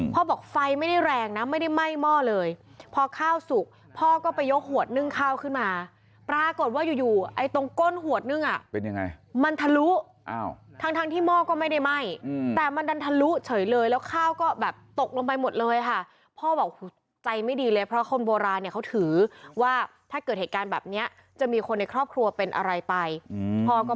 บอกไฟไม่ได้แรงนะไม่ได้ไหม้หม้อเลยพอข้าวสุกพ่อก็ไปยกขวดนึ่งข้าวขึ้นมาปรากฏว่าอยู่อยู่ไอ้ตรงก้นขวดนึ่งอ่ะเป็นยังไงมันทะลุทั้งทั้งที่หม้อก็ไม่ได้ไหม้แต่มันดันทะลุเฉยเลยแล้วข้าวก็แบบตกลงไปหมดเลยค่ะพ่อบอกใจไม่ดีเลยเพราะคนโบราณเนี่ยเขาถือว่าถ้าเกิดเหตุการณ์แบบเนี้ยจะมีคนในครอบครัวเป็นอะไรไปพ่อก็